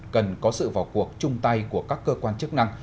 cần có sự vào cuộc chung tay của các cơ quan chức năng